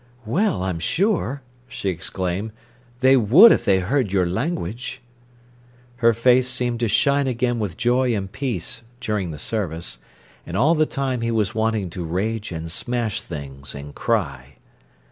"Well, I'm sure," she exclaimed, "they would if they heard your language." Her face seemed to shine again with joy and peace during the service. And all the time he was wanting to rage and smash things and cry.